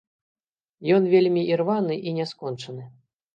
Ён вельмі ірваны і няскончаны.